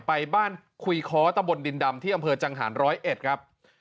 ไปบ้านคุยค้อตำบลดินดำที่อำเภอจังหารร้อยเอ็ดครับ